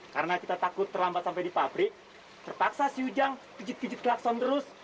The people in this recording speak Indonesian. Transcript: karena kita takut terlambat sampai di pabrik terpaksa si ujang kejut kejut kelakson terus